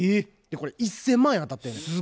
これ１，０００万円当たってんねん。